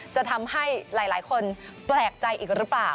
จะทำให้หลายคนแปลกใจอีกหรือเปล่า